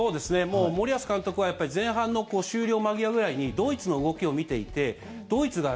もう森保監督はやっぱり前半の終了間際ぐらいにドイツの動きを見ていてドイツが